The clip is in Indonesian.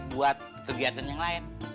buat kegiatan yang lain